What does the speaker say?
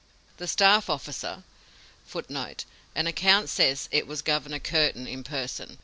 The staff officer [Footnote: An account says it was Governor Curtin in person.